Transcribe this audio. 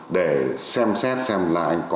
để xem xét xem là anh có